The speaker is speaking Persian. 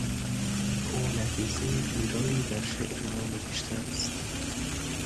او نقیضهی گیرایی بر شعر نو نوشته است.